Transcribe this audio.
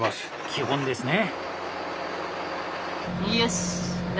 基本ですね。